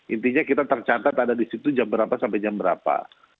intinya kita tercatat ada di situ jam berapa sampai jam berapa